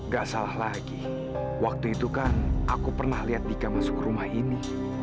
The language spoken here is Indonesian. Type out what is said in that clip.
gak salah lagi waktu itu kan aku pernah lihat dika masuk rumah ini